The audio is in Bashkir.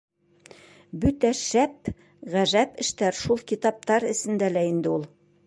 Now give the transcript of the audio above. Бөтә шәп, ғәжәп эштәр шул китаптар эсендә лә инде ул!